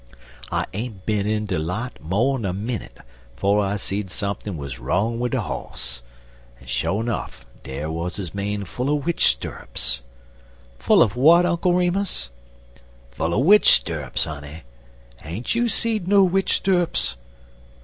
I ain't bin in de lot mo'n a minnit 'fo' I seed sump'n wuz wrong wid de hoss, and sho' nuff dar wuz his mane full er witch stirrups." "Full of what, Uncle Remus?" "Full er witch stirrups, honey. Ain't you seed no witch stirrups?